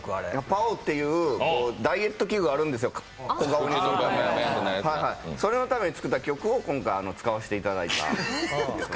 パオっていうダイエット器具があるんですよ、小顔にするやつそれのために作った曲を今回、使わせていただいた。